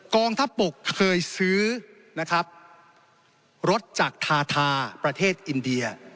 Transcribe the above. กองทัพบกเคยซื้อนะครับรถจากทาทาประเทศอินเดีย